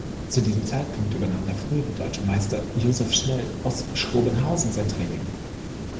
Zu diesem Zeitpunkt übernahm der frühere deutsche Meister Josef Schnell aus Schrobenhausen sein Training.